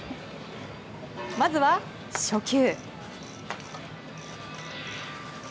まずは初球。